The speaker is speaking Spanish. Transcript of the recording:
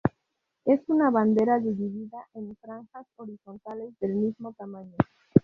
Es una bandera dividida en franjas horizontales del mismo tamaño.